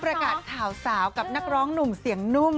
ประกาศข่าวสาวกับนักร้องหนุ่มเสียงนุ่ม